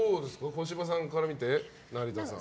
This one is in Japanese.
小芝さんから見て成田さん。